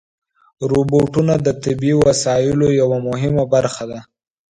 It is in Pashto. روبوټونه د طبي وسایلو یوه مهمه برخه ده.